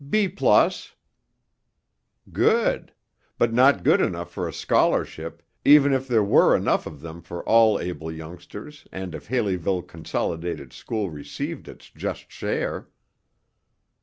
"B plus." "Good, but not good enough for a scholarship even if there were enough of them for all able youngsters and if Haleyville Consolidated School received its just share.